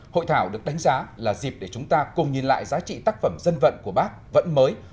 hội thảo được đánh giá là dịp để chúng ta cùng nhìn lại giá trị tác phẩm dân vận của bác vẫn mới